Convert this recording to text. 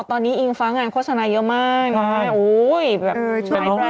ตอนนี้อิงฟ้างานโฆษณาเยอะมาก